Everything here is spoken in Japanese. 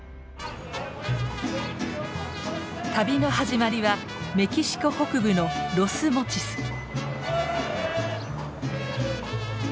旅の始まりはメキシコ北部のロス・モチス。